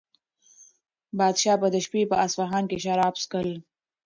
پادشاه به د شپې په اصفهان کې شراب څښل.